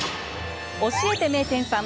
「教えて名店さん！」